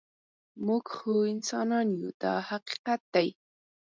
موږ خو انسانان یو دا حقیقت دی.